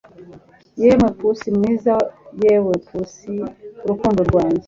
yemwe pussy mwiza, yewe pussy, urukundo rwanjye